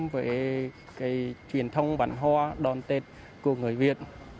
về truyền thông văn hoa đón tết của người việt